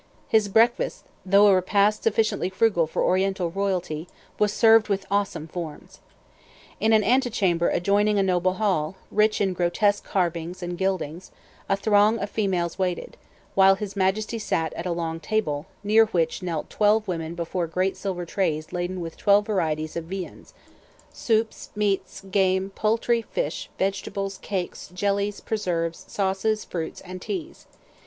His breakfast, though a repast sufficiently frugal for Oriental royalty, was served with awesome forms. In an antechamber adjoining a noble hall, rich in grotesque carvings and gildings, a throng of females waited, while his Majesty sat at a long table, near which knelt twelve women before great silver trays laden with twelve varieties of viands, soups, meats, game, poultry, fish, vegetables, cakes, jellies, preserves, sauces, fruits, and teas.